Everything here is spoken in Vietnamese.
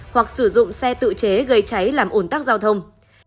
hoặc sử dụng xe tự chế gây cháy làm ủn tắc giao thông